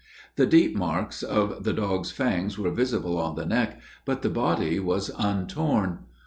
The deep marks of the dog's fangs were visible on the neck; but the body was untorn.